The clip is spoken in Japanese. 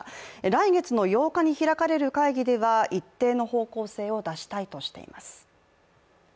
来月の８日に開かれる会議では一定の方向性を出したいとしています。